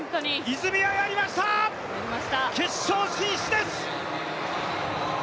泉谷やりました、決勝進出です！